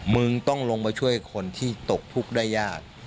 มึงต้องลงมาช่วยคนที่ตกทุกข์ได้ยาก